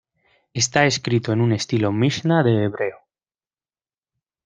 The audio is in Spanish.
Está escrito en un estilo mishná de hebreo.